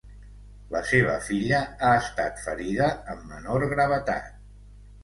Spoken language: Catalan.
La seva filla ha estat ferida amb menor gravetat.